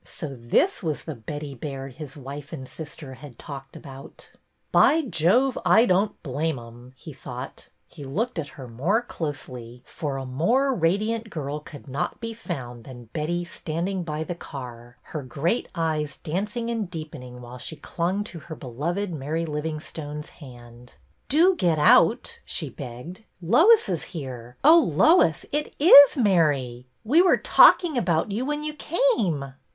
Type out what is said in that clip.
So this was the Betty Baird his wife and sister had talked about ! By Jove, I don't blame 'em !" he thought. He looked at her more closely, for a more 122 BETTY BAIRD'S VENTURES radiant girl could not be found than Betty standing by the car, her great eyes dancing and deepening while she clung to her beloved Mary Livingstone's hand. '' Do get out," she begged. Lois is here. Oh, Lois, it is Mary. We were talking about you when you came."